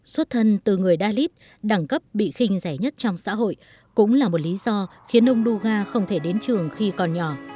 xuất thân từ người dalit đẳng cấp bị khinh rẻ nhất trong xã hội cũng là một lý do khiến ông duga không thể đến trường khi còn nhỏ